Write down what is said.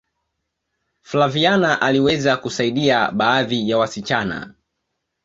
flaviana aliweza kusaidia baadhi ya wasichana